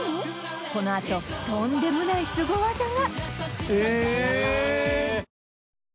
このあととんでもないすご技が！